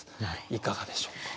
いかがでしょうか？